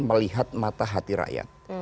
melihat mata hati rakyat